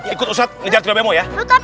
ikut ustad ngejar trio bemo ya